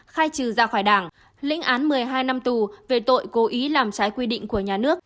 khai trừ ra khỏi đảng lĩnh án một mươi hai năm tù về tội cố ý làm trái quy định của nhà nước